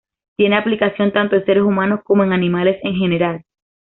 Tiene aplicación tanto en seres humanos como en animales en general.